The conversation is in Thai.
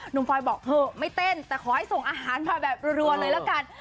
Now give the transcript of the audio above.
ฟอยบอกเถอะไม่เต้นแต่ขอให้ส่งอาหารมาแบบรัวเลยละกัน